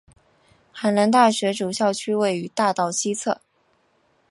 海南大学主校区位于大道西侧。